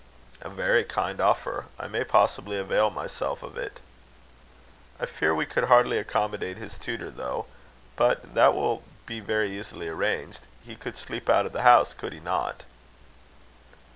"A very kind offer. I may possibly avail myself of it." "I fear we could hardly accommodate his tutor, though. But that will be very easily arranged. He could sleep out of the house, could he not?"